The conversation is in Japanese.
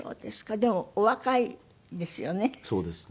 でもお若いですよね。